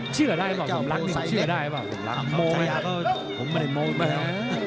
เชื่อได้หรือเปล่าช้าฟังชั้นตายแล้ว